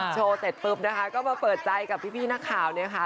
เสร็จปุ๊บนะคะก็มาเปิดใจกับพี่นักข่าวเนี่ยค่ะ